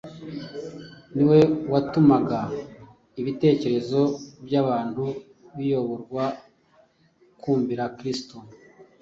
niwe watumaga ibitekerezo by’abantu biyoborwa ku kumvira Kristo.